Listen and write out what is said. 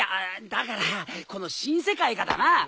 だからこの新世界がだな。あっ？